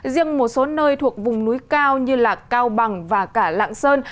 riêng một số nơi thuộc vùng núi cao như cao bằng và cả lạng sơn